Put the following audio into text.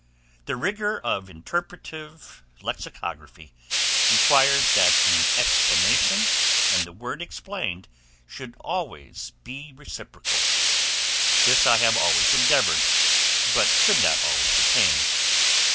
The rigor of interpretative lexicography requires that the explanation, and the word explained should be always reciprocal; this I have always endeavoured, but could not always attain.